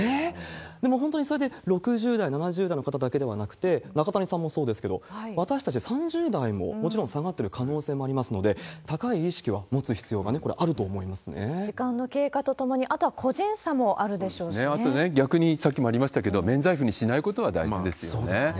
でも本当にそれで６０代、７０代の方だけじゃなくって、中谷さんもそうですけど、私たち３０代ももちろん下がってる可能性もありますので、高い意識は持つ必要がこれ、時間の経過とともに、あと逆に、さっきもありましたけれども、免罪符にしないことが大事ですよね。